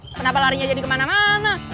kenapa larinya jadi kemana mana